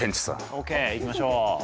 ＯＫいきましょう。